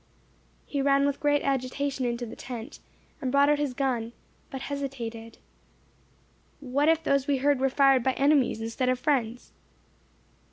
He ran with great agitation into the tent, and brought out his gun, but hesitated. "What if those we heard were fired by enemies, instead of friends?"